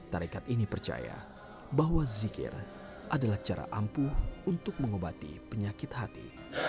tarekat ini percaya bahwa zikir adalah cara ampuh untuk mengobati penyakit hati